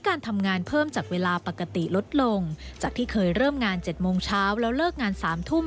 การทำงานเพิ่มจากเวลาปกติลดลงจากที่เคยเริ่มงาน๗โมงเช้าแล้วเลิกงาน๓ทุ่ม